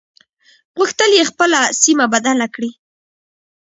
غوښتل يې خپله سيمه بدله کړي.